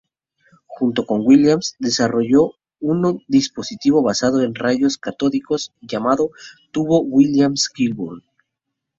Junto con Williams desarrolló un dispositivo basado en rayos catódicos llamado Tubo Williams-Kilburn.